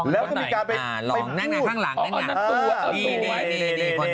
คนที่เป็นรองคนไหนรองนั่งหลังนั่งหลัง